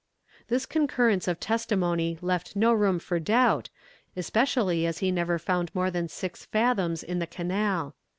This concurrence of testimony left no room for doubt, especially as he never found more than six fathoms in the canal.